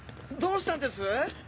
どうしたんです？